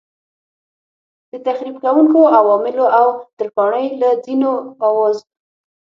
د تخریب کوونکو عواملو او ترکاڼۍ له ځینو اوزارونو سره به بلد شئ.